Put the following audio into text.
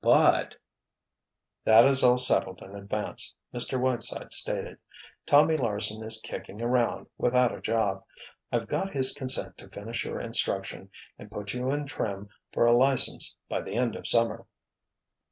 But——" "That is all settled in advance," Mr. Whiteside stated. "Tommy Larsen is 'kicking around' without a job. I've got his consent to finish your instruction, and put you in trim for a license by the end of Summer."